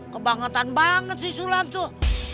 kebangetan banget si sulam tuh